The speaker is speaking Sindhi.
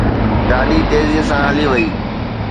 گاڏي تيزيءَ سان هلي وئي.